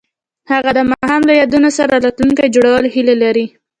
هغوی د ماښام له یادونو سره راتلونکی جوړولو هیله لرله.